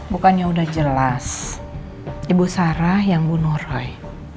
bukannya udah jelas ibu sarah yang bunuh roy